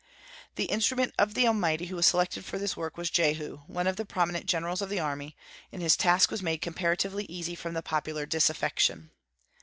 The instrument of the Almighty who was selected for this work was Jehu, one of the prominent generals of the army; and his task was made comparatively easy from the popular disaffection.